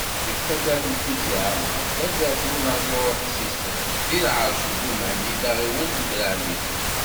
Deg taddart n Tizi Ɛammer, taddart n unaẓur Ḥsisen, deg lɛerc n Bumahni taɣiwant n Draɛ Lmizan.